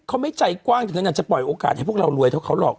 เขาไม่ใจกว้างถึงขนาดจะปล่อยโอกาสให้พวกเรารวยเท่าเขาหรอก